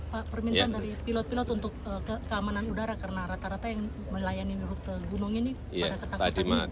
pak permintaan dari pilot pilot untuk keamanan udara karena rata rata yang melayani rute gunung ini pada ketakutan